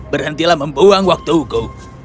berhentilah membuang waktuku